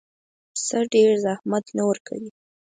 پسه ډېر زحمت نه ورکوي.